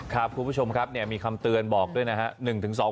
คุณผู้ชมครับมีคำเตือนบอกด้วยนะครับ